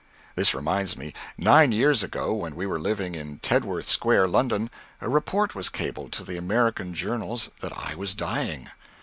This reminds me nine years ago, when we were living in Tedworth Square, London, a report was cabled to the American journals that I was dying.